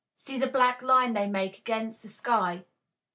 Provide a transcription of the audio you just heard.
See the black line they make ag'inst the sky.